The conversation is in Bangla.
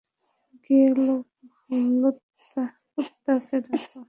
গিয়ে পুত্তানকে ডাকো।